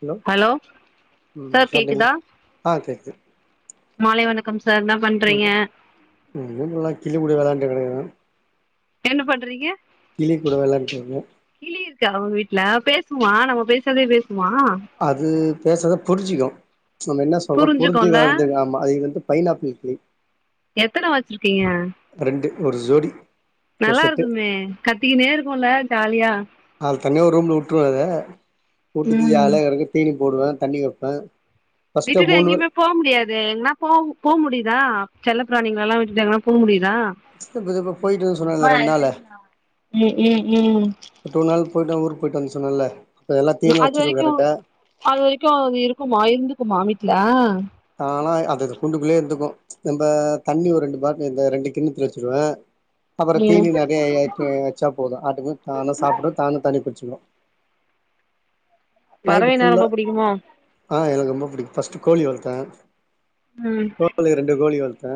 Hello ம் sir கேக்குதா [unintelligible] ஆ கேக்கு மாலை வணக்கம் சார் என்ன பண்றீங்க ஒன்னு இல்ல கிளிங் கூட வெளாண் [unintelligible] என்ன பண்றீங்க கிளி கூட வெளாண்டுருகே களீ ருக்கா உங் வீட்ல பேசுமா நம்ம பேசுற்தே பேஸ் மா அது பேசுறத புர்ஞ்சிக்கு நம்ம என்ன சொல்றோ புருஞ்சு புரிஞ்சுக்கும்ல வளர்துல ஆமா அது வந்து பைனாப்பிள் கிளி எத்தன வச்சிருக்கீங்க ரெண்டு ஒரு சோடி ஒர் நல்லா செட்டு இருக்குமே கத்திக்கினே இருக்கும்ல ஜாலியா ஆல் தனிய ஒரு ரூம்ல உட்ருவே அத உட்டு ம் தியாலியா கேடக்கு தீனிப் போடுவே தண்ணி வேப்பே வீட்டுட்டு எங்கியுமேப் போ முடியாது எங்னா போவ் போ முடிதா செல்ல ப்ராணிங்ளலா விட்டுட்டு எங்னா போ முடித் தா இப்ப இப்ப போயிட்டுன்னு சொன்னேல ரெண்டு ம் ம் ம் பட் ஒரு நாள் போயிட்டு அவ்ங் ஊர்க் போயிட்டு வந் சொன்னேல இப்ப எல்லா தீனிலா அது வச்சிருவே வரிக்கூ கரெக்டா அது வரிக்கு அது இருக்குமா இர்ந்துக்குமா வீட்ல ஆனா அது அது கூண்டுக்குள்யே இர்ந்துக்கு நம்ப தண்ணி ஒரு ரெண்டு பாட்டல்ல இந்த ரெண்டு கிண்ணத்ல வெச்சிருவே அப்பறோ ம் தீனி நெறய வச்சா போது ஆட்டுக்கு தானு சாப்ட தானு தண்ணி குச்சிக்கூ நைட்டு பறவைனா ஃபுல்லா ரொம்ப புடிக்குமோ ஆ எனக்கு ரொம்ப புடிக்கு ஃபர்ஸ்ட்டு கோலி வளத் தா ம் கோழி ரெண்டு கோழி வள்த் தா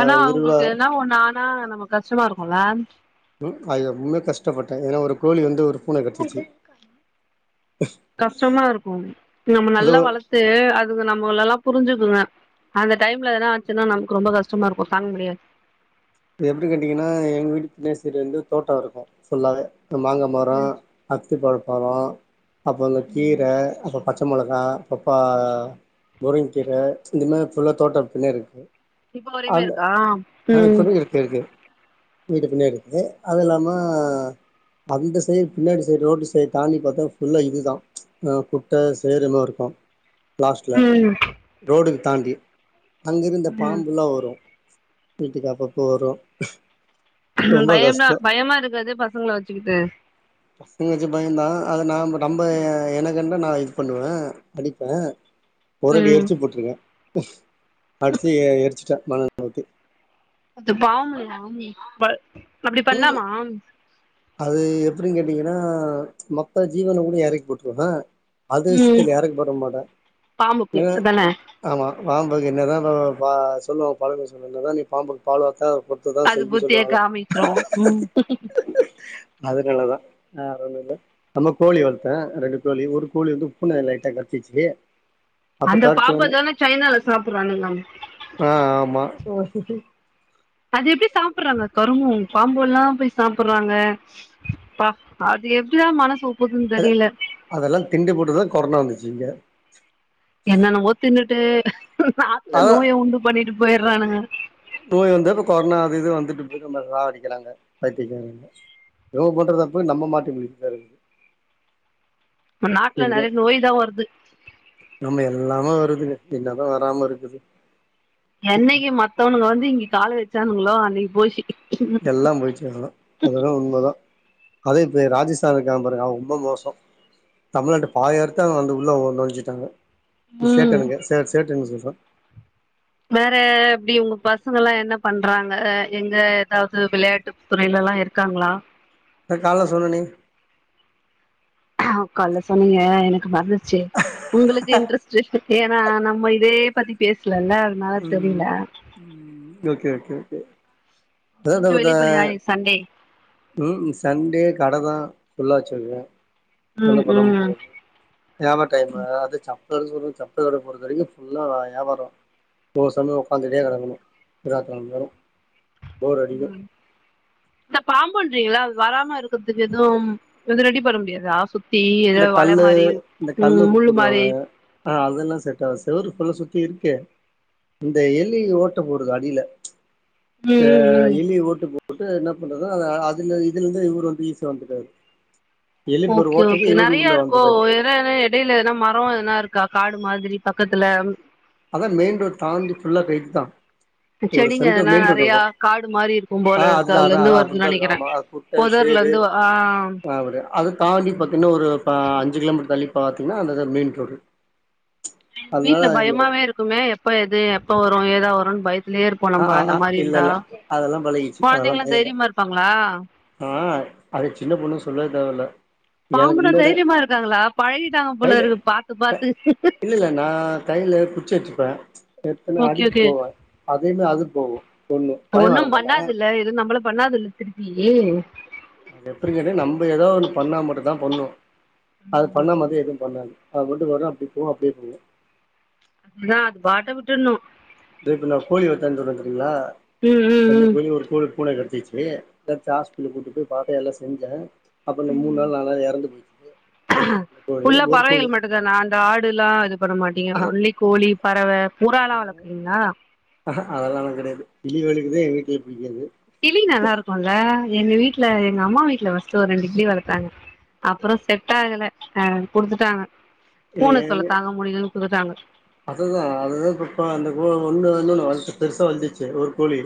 ஆனா அவுங்ளுக்கு எத்னா ஒன்னு ஆன் ஆ நமக் கஷ்டமாருக்குல ம் அது ரொம்வே கஷ்டப்பட்டே ஏனா ஒரு கோழி வந்து ஒரு பூன கடிச்சிச்சு கஷ்டமாருக்கு நம்ம அது நல்லா வளத்து அதுக நம்மோலல்லா புருஞ்சுக்குங்க அந்த டைம்ல எனா ஆச்சுன்னா நம்க்கு ரொம்ப கஷ்டமாருக்கு தாங்க முடியாது இது எப்டி கேட்டிங்கன்னா எங் வீட் பின்சைட்டு வந்து தோட்டோருக்கூ ஃபுல்லாவே மாங்கா மரோ ம் அத்திப்பழப் பலோ அப்ப இந்த கீர ம் அதப் பச்ச மொளகா பப்பா முருங்க்கீர இதல்லா ஃபுல்லா தோட்டோ பின்னாட்ருக்கு இப்ப வரயுமேருக்கா உம் இப்பவே இருக்கு இருக்கு வீட்டு பின்னாடிர்க்கு அது இல்லாம அந்த சைட் பின்னாடி சைட் ரோடு சைட் தாண்டி பாத்தா ஃபுல்லா இதுதா குட்ட சேருமாருக்கு லாஸ்ட்ல ம் ரோடுக்கு தாண்டி அங்கிருந்த ம் பாம்புலா வரோ வீட்டுக் காப்போ போறோ பயம்னா பயமா இருக்காது பசங்ள வச் சுக்கிட்டு பசங்க வெச்சு பயந்தா அத நாம நம்ப எனக்னென்தா நா யூஸ் பண்ணுவே படிப்பே ஒராட்டி ம் எரிச்சு போட்ருக்கே அட்ச்சு எ எரிச்சிட்டே மண்ணெண ஊத்தி அது பாவமில்லையா பல் அப்டி ம் பண்லாமா அது எப்டின்னு கேட்டீங்கனா மப்த்த ஜீவன கூட எறக்கி போட்றவே அது ம் இஸ்த்துக்கு இறக்கி உடமாட்டே பாம்புக்கு எங்னா அதான ஆமா பாம்புக்கு என்னதா ப பா சொல்வோங்க பழமொழி சொல்வாங் என்னதா நி பாம்புக்கு பால் வாத்தாலு அது புத்திய காமிச்சிரோ ம் அதுனாலதா ஆ வேற ஒன்னுல்ல நம்ம கோழி வளத்தே ரெண்டு கோழி ஒரு கோழி வந்து பூன லைட்டா கடிச்சுச்சு அந்த பாம்பதான சைனால சாப்புட்றான்னுங்க ம் அதெப்டி சாப்பட்றாங்க கரும்மோ பாம்புல்லா போய் சாப்புட்றாங்க பா அது எப்டிதா மனசு ஒப்புதுன்னு அத தெரியல அதெல்லா திண்டுப் புட்டுதா கொரோனா வந்துச்சு சுங்க என்னென்னவோ திண்ணுட் டு சாப்டே அதான் நோய உண்டு பண்ணிட்டு போய்றானுங்க நோய் வந்துர்க் கொர்னா அது இதுன்னு வந்துட்டு போயிட்டு நம்ப ராவடிக்றாங்க பைத்தியக்காரங்க ஏவோ பண்ற தப்புக்கு நம்ப மாட்டின்னு முழிக்கற்தாருக்கு நா நாட்ல நெறைய நோய்தா வர்து பின்னதா வராம இருக்குது என்னெக்கி மத்தவனுங்க வந்து இங்க கால வச்சானுங்களோ அன்னிக்கு போயிஸ்சி எல்லா போய்ச்சு அவ்ளோதா அத தா உண்மதா அதே இப்ப ராஜஸ்தானு இருக்கா பாருங்க அவ ரொம்ப மோசோ தமிழ்நாட்டுல பாதி இடத்த அவங்க வந்து உள்ள நொலஞ்சுட்டாங்க ம் சேட்டனுங்க சே சேட்டன்னு சொல்ற வேற எப்டி ஒங்க பசங்கல்லா என்ன பண்றாங்க எங்க ஏதாவது விளையாட்டு துறையிலல்லா இருக்காங்ளா அத கால்ல சொன்னனே கால்ல சொன்னீங்க எனக்கு மறந்துர்ச்சு உங்களுக்கு இன்ட்ரெஸ்ட் [unintelligible] ஆ நம்ம இதே பத்தி பேசலல்ல அதனால உம் தெரியல ம் ஓக்கே ஓக்கே ஓக்கே எங்க வெளிய போலயா [unintelligible] இன்னைக்கு சண்டே உம் சண்டே கடதா [unintelligible] ஒண்ணு ம் பண்ண ம் முடியாது [unintelligible] அத சாப் [unintelligible] பொறது வரைக்கு ஃபுல்லா வியாபார தோசன்ன உகாந்துட்டே கடக்கணு [unintelligible] போர் அடிக்கு இந்த பாம்புன்றீங்கள அது வராம இருக்றதுக்கு எதும் எது ரெடி பன்ன முடியாதா சு இந்த கல்லு இந்த கல்லு முள்ளு கூப்பிடுவாங்க மாரி ஆஹ் அதெல்லா செட்டாவாது செவுரு லா சுத்தி இருக்கே இந்த எலி ஓட்ட போடுது அடில ம் அ ம் ம் எலிய ஓட்டு போ போட்டு என்ன பண்றது அதுல இதுல இருந்து இவரு வந்து ஈஸியா வந்துட்டாரு எலி பாரு ஓட் இது நெறைய இருக்கோ வேற எதனா எடையில எதனா மரோ எதனாருக்கா காடு மாதிரி பக்கத்துல அதா மெயின் ரோடு தாண்டி ஃபுல்லா [unintelligible] ஒரு செடிங்க சென்டர் எதனா மெயின் ரோடு நெறையா இருக்கு காடு மாரி இருக்கும் போல ஆஹ் இருக்கு அதுதா அதுல அதா இருந்து அதா வருதுன்னு அப்டித்தா இருக்கு நெனைக்கிறே ஆமா குட்ட பொதர்ல சேரு இருந்து ஆ ஆஹ் அது தாண்டி பத்து இன்னொரு பா அஞ்சு கிலோமீட்டர் தள்ளி பாத்தீங்கன்னா அந்ததா மேன் ரோடு அதனால வீட்ல எங்க பயமாவே இருக் க்குமே எப்ப எது எப்ப வரு ஏதா வரு பய ஆஹ் ஆ ஆ இல்லல்ல அதெல்லா பழகிச்சு அதெல்லா கொழந்தைங்கல்லா பயல்ல தைரியமா இருப்பாங்களா ஆஹ் அது சின்ன பொண்ணு சொல்லவ தேவல பாம்புட தைரியமா இருக்காங்களா பழகிட்டாங்க கைல போலருக்கு பாத்து க பாத்து இப்ப எத்தன ஓகே அடிக்கு ஓகே போவா [unintelligible] அது போகு பய வர ஒண்ணும் மாட்டா பண்ணாதில்ல இது நம்பள பண்ணாதில்ல திருப்பீ எப்டி கேட்ட நம்ப எடோ ஒண்ணு பண்ணா மட்டுந்தா பண்ணு அது பண்ணா ம் மாதி எதுவு பண்ணாது அ மொண்டு வரோ அப்டி போ அப்டே போங்க அப்டிதா அது பாட்ட விட்டுர்னோ தே இப்ப நா கோழி வளத்தேன்னு சொன்ன தெரியுங்ளா ம் ரெண்டு ம் கோழி ஒரு கோழிய பூன கடிச்சிச்சு வே தச் ஹாஸ்பிட்டலுக்கு கூட்டுப் போய் பாத்தே எல்லா செஞ்சே அப்பன ம் மூன் ம் நாள் நால் நாள்ல அது எறந்து போயிரோ ஃபுல்லா பறவைகள் மட்டுந்தானா அந்த ஆடுலா இது பண்ண மாட்டீங்க ஒன்லி கோழி பறவ புறாலா வளக்குறீங்களா அக்ஆ அதெல்லானா கெடையாது திலிவாளிக்கு இதே எங்ளுக்கு புடிக்காது கிளி நல்லாருக்கோல எங்க வீட்ல எங்க அம்மா வீட்ல வர்ஸ்ட் ஒரு ரெண்டு கிளி வளத்தாங்க அப்புறோ செட்டாகல ஆ குடுத்துட்டாங்க பூன தொல்ல தாங்க முடியலன்னு குடுத்துட்டாங்க அதுதா அதுதா இப்ப அந்த [unintelligible] ஒன்னுதா இன்னோனு பெர்சா வள்துச்சு ஒரு கோழி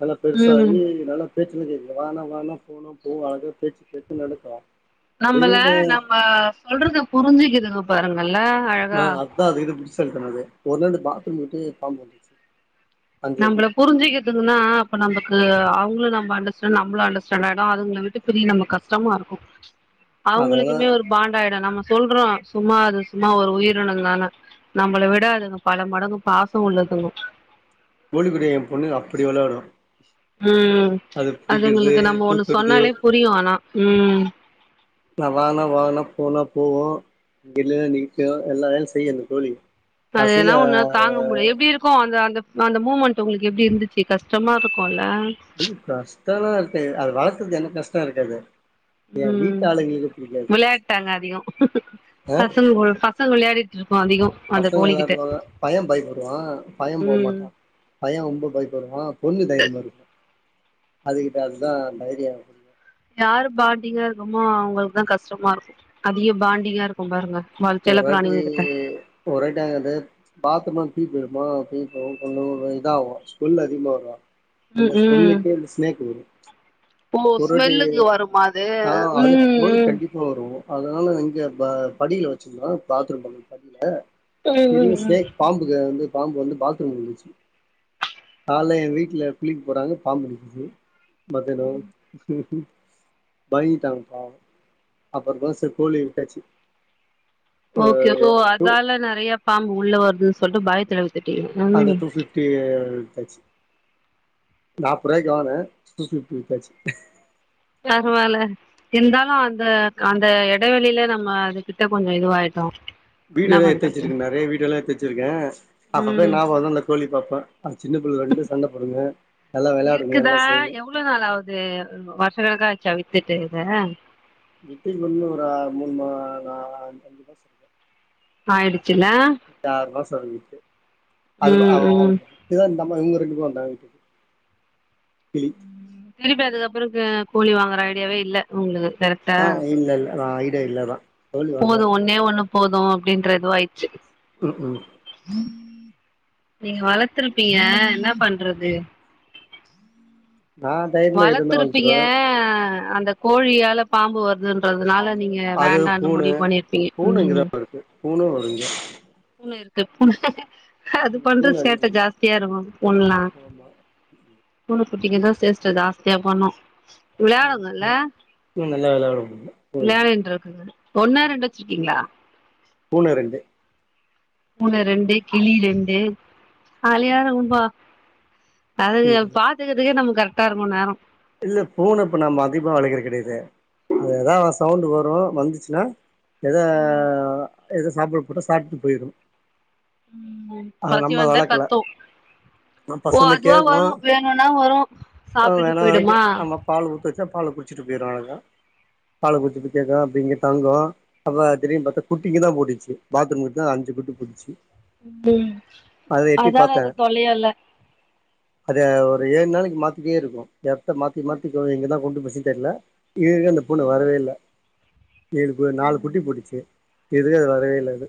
நல்லா ம் பெருசாயி நல்லா பேச்சுலா கேக்குது இங் வானா வானா போனா போவாது பேச்சு கேட்டு நடக்கோ நம்பள நம்ப சொல்ரத புரிஞ்சிக்கிதுங்கோ பாருங்க வ அதா அதுக்கு இது புத்திசாலித்தனோ அது ஒர்நாள் இந் பாத்ரூம் கிட்டியே பம்பு வந்துச்சு அஞ்சு நம்பல புருஞ்சுக்கிதுன்னா அப்ப நம்ப கு அவங்ளு நம்ப அண்டர்ஸ்டாண்ட் நம்ளு அண்டர்ஸ்டாண்ட் ஆயிடு அதுங்கள விட்டு பிரிய நம்ம கஷ்டமா இருக்கும் அதெல்லா அவுங்களுக்குமே ஒரு பாண்டாயிடு நம்ம சொல்றோ சும்மா அது சும்மா ஒரு உயிரினங்தான நம்மள விடாதுங்க பல மடங்கு பாச உள்ளதுங் மவுலிக்கூட என் பொண்ணு அப்டி வெளாடு ம் அது உங்களுக்கு நம்ம ஒன்னு தூக்குறது சொன்னாலே புரியு ஆனா ம் போவோ வெளிலலா நிக்கோ எல்லா வேலையு செய்யு அந்த கோழி அது கடைசில எதனா ஒன்னா தாங்க முடியு எப்டி இருக்கு அந்த அந்த அந்த மூமண்ட்டு உங்கள்க்கு எப்டி இருந்துச்சி கஷ்டமாருக்கோல் அது கஷ்டோல்லா இருக்காது அது வளத் து என்னக்கு கஷ்டருக்காது ம் விளையாட்டு அங்க அதிகோ ஆ பசங்க கூட் பசங்க வெளையாடிட் பசங்க வெளையாடுவாங்க பைய பயப்படுவா பைய ம் போமாட்டா பைய ரொம்ப பயப்படுவா பொண்ணு தைரியமாருக்கு அதுகிட்ட அதுதா தைரியோ யாரு பாண்டிங்காருக்கமோ அவங்கள்கு தா கஷ்டமாருக்கு அதிக பாண்டிங்காருக்கு பாருங்க வள செல்ல ஒர் வாட்டி பிராணிங்க கிட்ட ஒர் வாட்டி அத பாசமா‌ துக்கி அமா அப்டி போவோ [unintelligible] தா ஆவு ஸ்மெல் அதிகமா வரு அந்த ம் ம் ஸ்மெல்லுக்கே அந்த ஸ்நேக் வரு ஓ ச்ச ஒருவாட்டி ஸ்மெல்லுக்கு வருமா அது ஆ ம் அதுயே கோழி ம் கண்டிப்பா வரோ அதனால நா இங்க ப படியில வெச் நா பாத்ரூம் போனப்பப் படில ம் பெரிய ம் ம் ஸ்னேக் பாம்புக்கு வந்து பாம்பு வந்து பாத்ரூம்முள்ள இருந்துச்சு கால்ல எ வீட்ல குளிக் போனாங்க பாம்பு இருந்துச்சு மத்யானோ மயிங்கிட்டாங்க பாவோ அப்பறமா செரி கோழி வித்தாச்சு ஓகே ஓ அத்தால நெறைய பாம்பு உள்ள வருதுன்னு சொல்ட்டு பயத்துல வி அந்த டூ ஃபிப்டிய வித்தாச்சு நாப்போவுறாயிக்கு வாங்னே டூ ஃபிப்டிக்கு வித்தாச்சு த பருவால இந்தாலு அந்த அந்த எடைவெளில நம்ம அது கிட்ட கொஞ்சோ இதுவாயிட்டோ என்ன வீடியோல்லா எத்து பண்றது வச்சிருக்கேன்னாரு வீடியோல்லா எத்து வச்சிருக்க அப்பப்ப ம் நாபகொ வந்தா இந்த கோழி பாப்ப அது சின்ன பிள்ளைக ரண்டு சண்ட போடுங்க. நல்லா விளையாடுங்க இருக்குதா எல்லாம் செய்யுங்க எவ்ளோ நாள் ஆகுது வ வருஷ கணக்கா சவித்துட்டு இத [unintelligible] ஒரு ஆயிடுச்சுல ஆறு மாசோ இருந்து ம் ம் [unintelligible] நம்ம இங்க இருக்கமாட்ட [unintelligible] திருப்பி அதுக்கப்பறொ க கோழி வாங்குற ஐடியாவே இல்ல உங்களுக்கு கரெக்டா ஆ இல்ல இல்ல நா ஐடியா இல்லதா கோழி வாங்க போது ஒன்னே ஒண்ணு போது அப்படின்ற இதுவாயிச்சு. ம் ம் [unintelligible] நீங்க வளர்த்துருப்பீங்க என்ன பண்றது நா தைரியமா எது வேணா வளத்துருப்பீங்க வளத்துருவே அந்த கோழியால பாம்பு வருதுன்றதுனால நீங்க அது வேண்டான்னு பூன முடிவு பண்ணிருப்பீங்க பூன இங்கதா ம் இருக்கு பூன வருவீங்க பூன இருக்கு பூன அது பண்ற பூன சேட்ட அதிகமா ஜாஸ்தியா இருக்கு பூனல்லா ஆமா பூன குட்டிங்கதா சேஸ்ட ஜாஸ்தியா பண்ணு ஆ விளையாடுங்கல்ல பூன நல்லா வெளையாடு பூன விளயாடின்றுருக்குங்க ஒன்னா ரண்டு வச்சிருக்கீங்களா? பூன ரண்டு பூன ரண்டு கிளி ரண்டு [unintelligible] அதுங்கள ம் பாத்துக்குறதுக்கே நமக் கரெக்டா இருக்கு நேரொ இல்ல பூன இப்ப நாம்ம அதிகமா வளக்குற கெடயாது எதாவொ சவுண்ட் வரு வந்துச்சுன்னா எதா எதோ சாப்ட போட்டா சாப்ட்டு போயிரு உம் அத பசி நம்ம வந்தா வளக்கல கத்து ஆ ஓ பசங்க அதுவா கேக்கு வரு வேணுனா வரு சாப்ட்டுட்டு போயிடு ஆமா பால் ஊத்து வச்சா பால்ல குடிச்சிட்டு போயிடு அழகா பால குச்சிட்டு கேக்கு அப்ப இங்க தங்கு அப்ப திடீர்னு பாத்தா குட்டிக்கு இங்கதா போட்டுச்சு பாத்ரூம்குதா அஞ்சு குட்டி போட்டுச்சு ம் அத எட்டி அதா நா பாத்தே அது தொலையல்ல அது ஒரு ஏழு நாளைக்கு மாத்திட்டே இருக்கு ஸ்டர் மாத்தி மாத்தி தோ இங்கதா கொண்டு போ விசயம் தெர்ல இதுவரைக்கு அந்த பூன வரவே இல்ல ஏழு நாலு குட்டி போட்டுச்சு எது அது வரவே இலது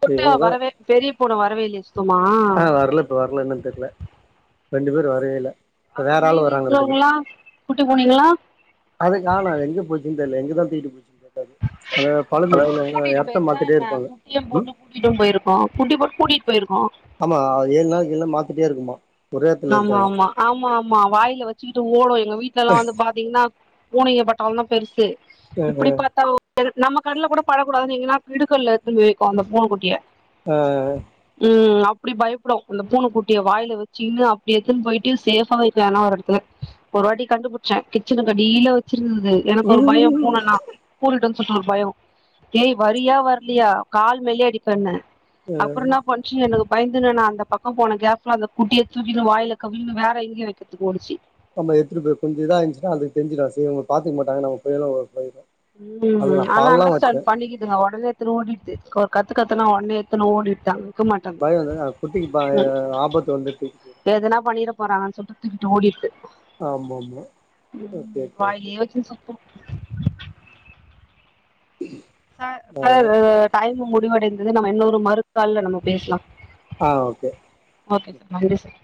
கூப்டா வரவே பெரிய பூனை வரவேலியே சுத்த ஆ வரல இப்ப வரல என்னனு தெர்ல ரெண்டு பேரு வரவேல அப்ப மீதி இருக்கவங்களா கூப்ட்டு போனீங்களா இல்லல்ல எங்கதா தூக்கிட்டு போ சொல்ற ஹலோ கூட்டிட்டு போய்ருச்சா மாத்திட்டே என்ன இருப்பாங்க குட்டியு ம் போட்டு கூட்டிட்டு போயிருக்கோ கூட்டி போட்டு கூட்டிட்டு போயிருக்கோ ஆமா ஏழு நாளைக்குல்லா மாத்திட்டே இருக்குமா ஒரே எடத்துல ஆமா இருக்காதா ஆமா ஆமா ஆமா வாயில வச்சுக்கிட்டு ஓடும் எங்க வீட்டு்லலா வந்து பாத்தீங்கன்னா பூனைங்க பட்டால தா பெருசு இப்படி பாத்தா நம்ம கண்ல கூட படக்கூடாதுனு எங்கன்னா இடுக்கல்ல எத்துனுபோ வைக்கு அந்த பூன குட்டிய ஆ ம் அப்டி பயப்படு அந்த பூண கூட்டிய வாயில வச்சு அப்டி எத்துன்னு போயிட்டு சேஃபா வைக்கு எதுனா ஒரு எடத்துல ஒரு வாட்டி கண்டுபுடிச்சே கிச்சனுக்கு அடிய்ல வச்சு இருந்தது எனக்கு ஒரு பய பூனனா பூரிடு சொல்ட்டு ஒரு பயோ ஏய் வரியா வரலியா கால் மேலயே அடிப்பன்னே அப்புறோ என்னா பண்ச்சு எனக்கு பயந்துனு நா அந்த பக்க போன கேப்ல அந்த குட்டிய தூக்கின்னு வாயில கவ்வின்னு வேற எங்கயோ வைக்கத்துக்கு ஓடுச்சு நம்ம எத்துட்டு போ கொஞ்ச இதா இருந்துச்சுா அதுக்கு தெஞ்சிட சரி உங்க பாத்துக்க மாட்டாங்க நங்க போய்ருவோ போய்ரு உம் ஆனா அண்டர்ஸ்டாண்ட் பண்ணிக்கிதுங்க எடனேத்து ஓடிடுது ஒரு கத்துக்கத்தனா ஒடனே ஏடுத்துனு ஓடிட்டாங்க பயம் வந்துங்க அது குட்டிக்கு பா ஆபத்து வந்து தூக்கிட்டு போறங்கன்னு சொல்லிட்டு தூக்கிட்டு ஓடிடுருது ஆமா ஆமா ஓகே ம் ஓகே ஓகே வாயிலயே வச்சு சப்பு ச சார் டைம் மு முடிவடைந்தது நம்ம இன்னொரு மறுத்தாள்ல நம்ம பேசலா ஆ ஓகே ஓகே சா நன்றி சார்